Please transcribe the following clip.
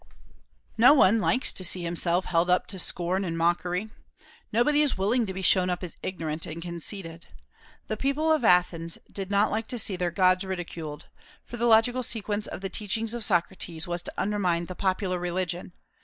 No one likes to see himself held up to scorn and mockery; nobody is willing to be shown up as ignorant and conceited. The people of Athens did not like to see their gods ridiculed, for the logical sequence of the teachings of Socrates was to undermine the popular religion.